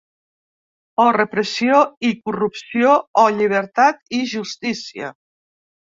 O repressió i corrupció, o llibertat i justícia.